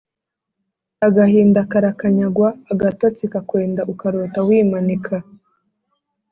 agahinda karakanyagwa, agatotsi kakwenda ukarota wimanika